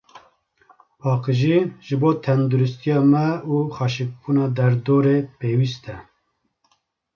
Paqijî, ji bo tendirûstiya me û xweşikbûna derdorê, pêwîst e.